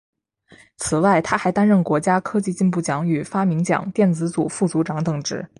此外他还担任国家科技进步奖与发明奖电子组副组长等职。